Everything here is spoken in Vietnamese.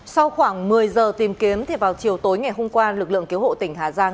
sau khoảng một mươi giờ tìm kiếm thì vào chiều tối ngày hôm qua lực lượng cứu hộ tỉnh hà giang